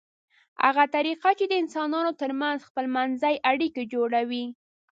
هغه طریقه چې د انسانانو ترمنځ خپلمنځي اړیکې جوړوي